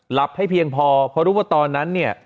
ให้เพียงพอเพราะรู้ว่าตอนนั้นเนี่ย